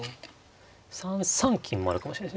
３三金もあるかもしれないですね。